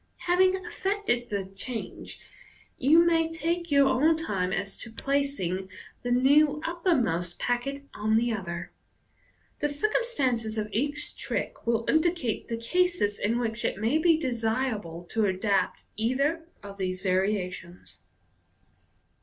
Having effected the change, you may take your own time as to placing Fig. 5. MODERN MAGIC, 17 the now uppermost packet on the other. The circumstances of each trick will indicate the cases in which it may be desirable to adopt either of these variations.